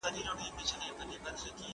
په دې کې انټي اکسیډنټ شتون لري.